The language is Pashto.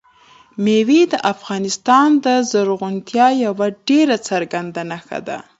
مېوې د افغانستان د زرغونتیا یوه ډېره څرګنده نښه ده.